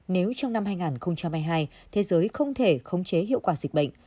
nếu trong năm hai nghìn hai mươi hai thế giới không thể khống chế hiệu quả dịch bệnh